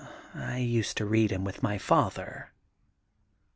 I used to read him with my father.'